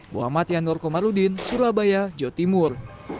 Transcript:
muhammad yanur komarudin surabaya jawa timur